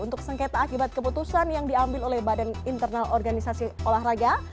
untuk sengketa akibat keputusan yang diambil oleh badan internal organisasi olahraga